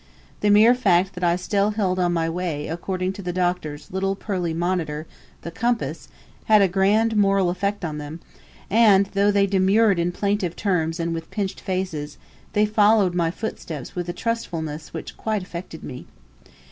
The mere fact that I still held on my way according to the Doctor's little pearly monitor (the compass) had a grand moral effect on them, and though they demurred in plaintive terms and with pinched faces, they followed my footsteps with a trustfulness which quite affected me.